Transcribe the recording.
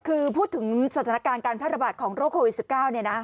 คือพูดถึงสถานการณ์การแพร่ระบาดของโรคโควิด๑๙เนี่ยนะ